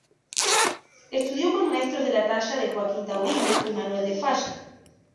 Estudió con maestros de la talla de Joaquín Turina y Manuel de Falla.